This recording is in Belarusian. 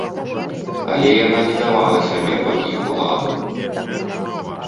Але яна не давала сябе пад іх уладу.